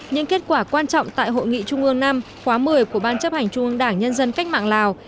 những kết quả quan trọng tại hội nghị trung ương năm khóa một mươi của ban chấp hành trung ương đảng nhân dân cách mạng lào